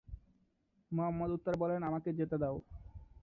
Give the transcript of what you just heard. মুহাম্মাদ উত্তরে বলেন, আমাকে যেতে দাও।